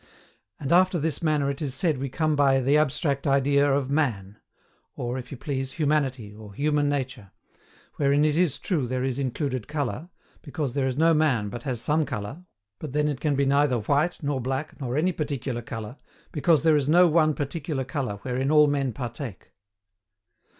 And after this manner it is said we come by the abstract idea of MAN, or, if you please, humanity, or human nature; wherein it is true there is included colour, because there is no man but has some colour, but then it can be neither white, nor black, nor any particular colour, because there is no one particular colour wherein all men partake.